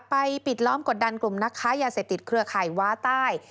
ปิดล้อมกดดันกลุ่มนักค้ายาเสพติดเครือข่ายว้าใต้